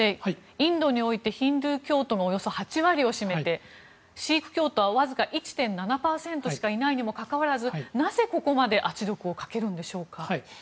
インドにおいてヒンドゥー教徒のおよそ８割を占めてシーク教徒はわずか１．７％しかいないにもかかわらずなぜ、ここまで圧力をかけるんでしょうか？